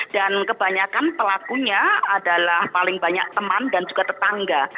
dan kebanyakan pelakunya adalah paling banyak teman dan juga tetangga